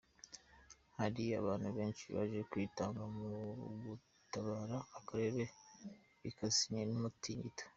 Hari abantu benshi baje kwitanga mu gutabara akarere kibasiwe n’ umutingito”.